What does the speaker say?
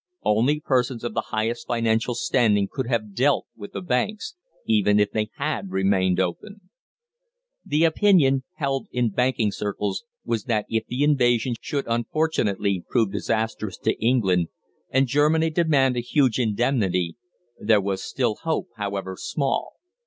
Only persons of the highest financial standing could have dealt with the banks, even if they had remained open. The opinion held in banking circles was that if the invasion should unfortunately prove disastrous to England, and Germany demand a huge indemnity, there was still hope, however small.